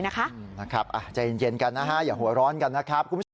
นะครับใจเย็นกันนะฮะอย่าหัวร้อนกันนะครับ